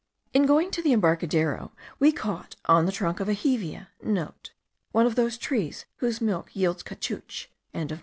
In going to the embarcadero, we caught on the trunk of a hevea* (* One of those trees whose milk yields caoutchouc.)